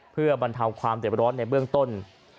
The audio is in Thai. เพื่อบรรเทาความเด็บร้อนในเบื้องต้น